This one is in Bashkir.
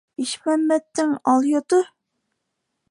Ишмәмәттең алйото.